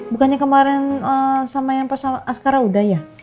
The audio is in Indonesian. bukannya kemarin sama yang pas ascara udah ya